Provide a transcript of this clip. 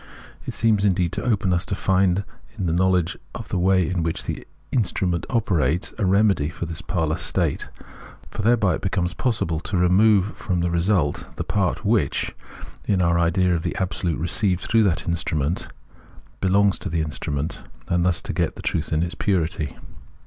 It seems indeed open to us to find in the knowledge of the way in which the instru ment operates, a remedy for this parlous state ; for thereby it becomes possible to remove from the result the part which, in our idea of the Absolute received through that instrument, belongs to the instrument, and thus to get the truth in its purity.